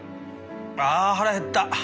あ腹減った。